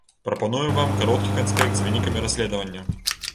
Прапануем вам кароткі канспект з вынікамі расследавання.